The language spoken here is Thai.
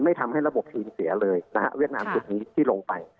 ทำให้ระบบทีมเสียเลยนะฮะเวียดนามชุดนี้ที่ลงไป